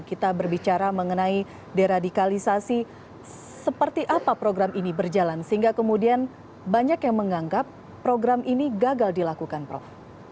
kita berbicara mengenai deradikalisasi seperti apa program ini berjalan sehingga kemudian banyak yang menganggap program ini gagal dilakukan prof